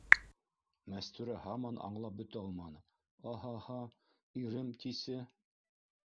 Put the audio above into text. Мәстүрә һаман аңлап бөтә алманы: - Аһа, аһа, ирем, тисе...